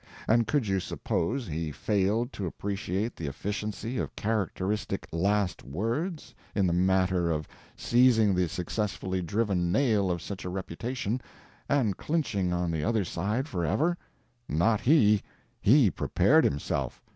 And could you suppose he failed to appreciate the efficiency of characteristic "last words," in the matter of seizing the successfully driven nail of such a reputation and clinching on the other side for ever? Not he. He prepared himself.